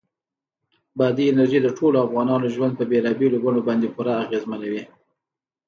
بادي انرژي د ټولو افغانانو ژوند په بېلابېلو بڼو باندې پوره اغېزمنوي.